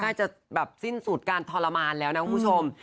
จะแบบสิ้นสุดการทรมานแล้วนะคุณผู้ชม